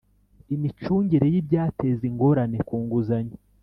Imicungire y ibyateza ingorane ku nguzanyo